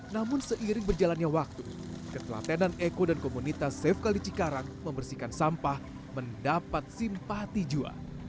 namun seiring berjalannya waktu ketelatenan eko dan komunitas safe kali cikarang membersihkan sampah mendapat simpati jua